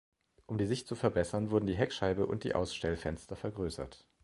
Um die Sicht zu verbessern, wurden die Heckscheibe und die Ausstellfenster vergrößert.